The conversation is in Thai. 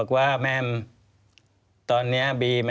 ควิทยาลัยเชียร์สวัสดีครับ